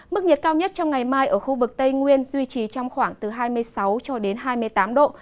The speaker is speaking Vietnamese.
mức nhiệt cao nhất trong ngày mai ở khu vực tây nguyên duy trì trong khoảng từ hai mươi sáu cho đến hai mươi tám độ